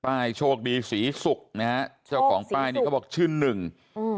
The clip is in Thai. ป้ายโชคดีสีสุกนะฮะโชคสีสุกเจ้าของป้ายนี่เขาบอกชื่อหนึ่งอืม